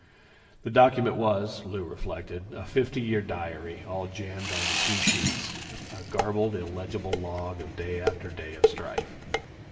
The document was, Lou reflected, a fifty year diary, all jammed onto two sheets a garbled, illegible log of day after day of strife.